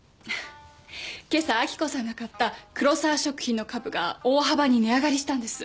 けさ明子さんが買った黒沢食品の株が大幅に値上がりしたんです。